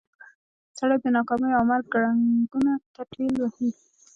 سړی د ناکاميو او مرګ ګړنګونو ته ټېل وهي.